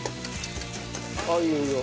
ああいいよいいよ。